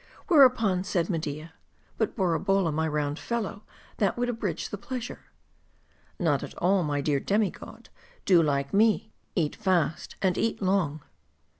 Whereupon said Media " But Borabolla, my round fellow, that would abridge the pleasure." " Not at all, my dear demi god ; do like me : eat fast and eat long."